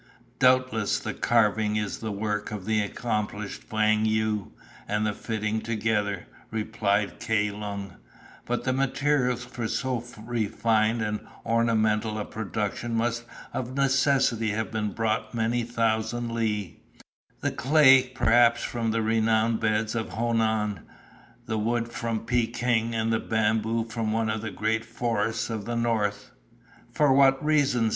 "Doubtless the carving is the work of the accomplished Wang Yu, and the fitting together," replied Kai Lung; "but the materials for so refined and ornamental a production must of necessity have been brought many thousand li; the clay perhaps from the renowned beds of Honan, the wood from Peking, and the bamboo from one of the great forests of the North." "For what reason?"